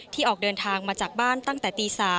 ออกเดินทางมาจากบ้านตั้งแต่ตี๓